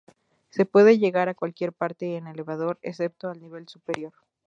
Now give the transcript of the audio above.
Se puede llegar a cualquier parte en elevador, excepto al nivel superior.